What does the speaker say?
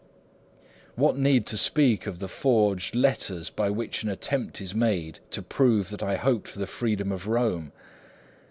'What need to speak of the forged letters by which an attempt is made to prove that I hoped for the freedom of Rome?